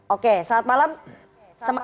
oke selamat malam